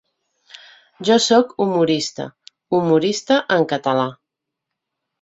Jo sóc humorista, humorista en català.